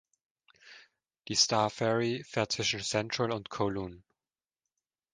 Die Star Ferry fährt zwischen Central und Kowloon.